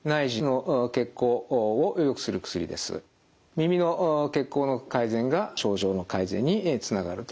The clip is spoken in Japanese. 耳の血行の改善が症状の改善につながると思われます。